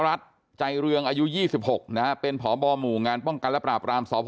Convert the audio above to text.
รัฐใจเรืองอายุ๒๖นะฮะเป็นพบหมู่งานป้องกันและปราบรามสพ